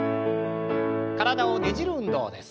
体をねじる運動です。